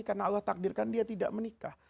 karena allah takdirkan dia tidak menikah